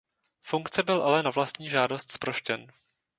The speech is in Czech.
Funkce byl ale na vlastní žádost zproštěn.